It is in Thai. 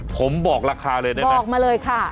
ผมบอกราคาเลยได้ไหมบอกมาเลยค่ะ